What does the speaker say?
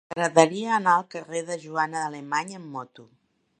M'agradaria anar al carrer de Joana Alemany amb moto.